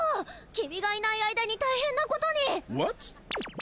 君がいない間に大変なことにワッツ？